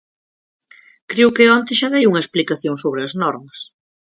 Creo que onte xa dei unha explicación sobre as normas.